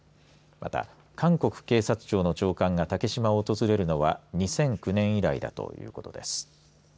また韓国警察庁の長官が竹島を訪れるのは２００９年以来だということです。